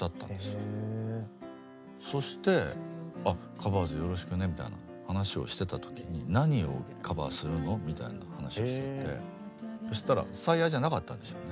そして「あっ『ＴｈｅＣｏｖｅｒｓ』よろしくね」みたいな話をしてた時に「何をカバーするの？」みたいな話をしててそしたら「最愛」じゃなかったんでしょうね。